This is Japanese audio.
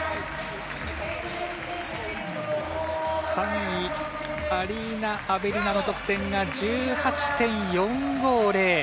３位アリーナ・アベリナの得点が１８．４５０。